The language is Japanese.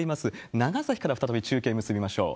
長崎から再び中継結びましょう。